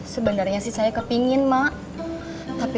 sebenarnya sih saya kepingin mak